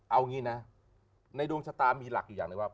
เอางี้นะในดวงชะตามีหลักอยู่อย่างหนึ่งว่า